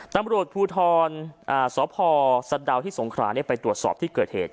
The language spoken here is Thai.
ตำรวจภูทรสพสะดาวที่สงขราไปตรวจสอบที่เกิดเหตุ